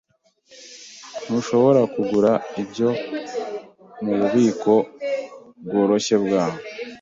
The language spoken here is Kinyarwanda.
Ntushobora kugura ibyo mububiko bworoshye bwaho.